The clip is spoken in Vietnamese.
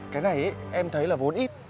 cái này em thấy là vốn ít